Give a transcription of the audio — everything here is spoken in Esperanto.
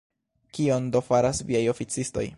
Kion do faras viaj oficistoj?